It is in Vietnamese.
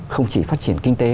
không chỉ phát triển kinh tế